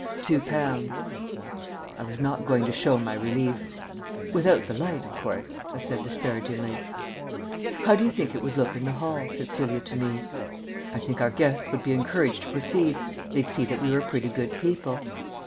"Two pounds." I was not going to show my relief. "Without the light, of course?" I said disparagingly. "How do you think it would look in the hall?" said Celia to me. "I think our guests would be encouraged to proceed. They'd see that we were pretty good people."